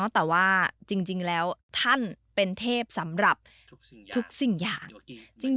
แต่ว่าจริงแล้วท่านเป็นเทพสำหรับทุกสิ่งอย่าง